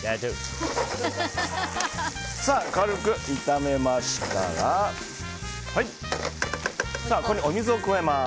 軽く炒めましたらここにお水を加えます。